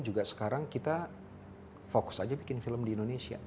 tidak sekarang kita fokus saja bikin film di indonesia